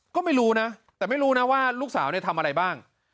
ก็ไม่รู้นะไม่รู้ด้วยว่าลูกสาวทำอะไรบ้าง